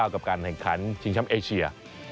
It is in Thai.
กับการแข่งขันชิงแชมป์เอเชีย